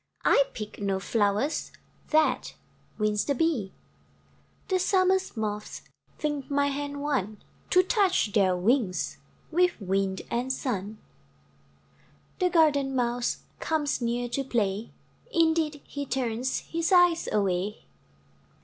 I pick no flowers That wins the Bee. The Summer's Moths Think my hand one To touch their wings With Wind and Sun. The garden Mouse Comes near to play; Indeed, he turns His eyes away.